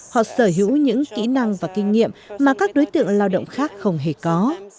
họ sở hữu những kỹ năng và kinh nghiệm mà các đối tượng lao động khác không hề có